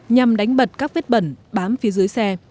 nhằm đánh bật các vết bẩn bám phía dưới xe